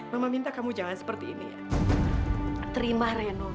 mama minta kamu jangan seperti ini ya